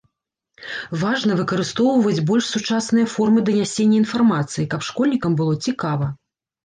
Важна выкарыстоўваць больш сучасныя формы данясення інфармацыі, каб школьнікам было цікава.